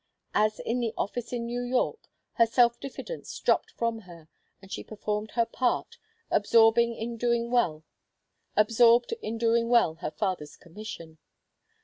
As in the office in New York, her self diffidence dropped from her, and she performed her part, absorbed in doing well her father's commission.